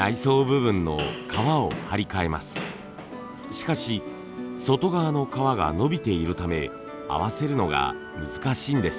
しかし外側の革が伸びているため合わせるのが難しいんです。